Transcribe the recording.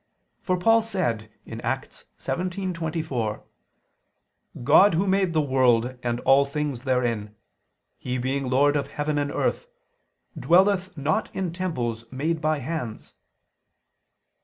For Paul said (Acts 17:24): "God Who made the world and all things therein; He being Lord of heaven and earth, dwelleth not in temples made by hands."